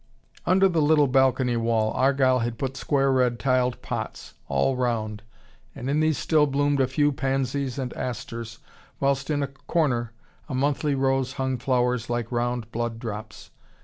Under the little balcony wall Argyle had put square red tiled pots, all round, and in these still bloomed a few pansies and asters, whilst in a corner a monthly rose hung flowers like round blood drops.